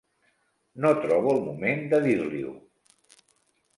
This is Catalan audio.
No trobo el moment de dir-li-ho.